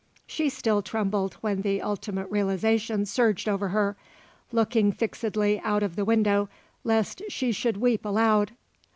She still trembled when the ultimate realization surged over her, looking fixedly out of the window lest she should weep aloud.